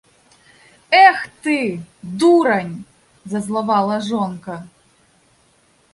- Эх ты, дурань! - зазлавала жонка